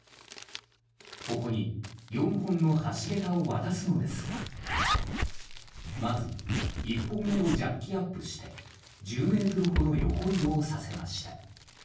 ここに４本の橋桁を渡すのですがまず１本目をジャッキアップして１０ｍほど横移動させました。